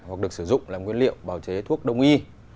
hoặc được sử dụng làm nguyên liệu bào chế thuốc đông y